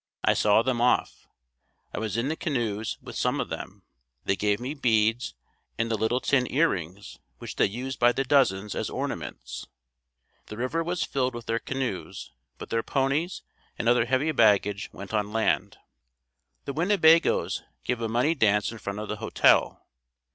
I saw them off, I was in the canoes with some of them. They gave me beads and the little tin earrings, which they used by the dozens, as ornaments. The river was filled with their canoes, but their ponies and other heavy baggage went on land. The Winnebagoes gave a money dance in front of the hotel.